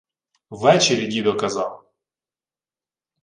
— Ввечері дідо казав.